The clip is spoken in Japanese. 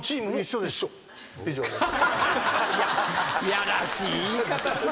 やらしい言い方する。